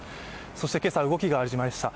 そして今朝、動きがありました。